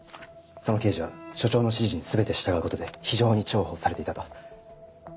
その刑事は署長の指示に全て従うことで非常に重宝されていたと。